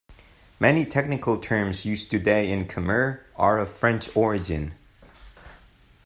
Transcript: Many technical terms used today in Khmer are of French origin.